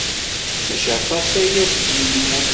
Mačči aṭas-aya seg mi yemmut.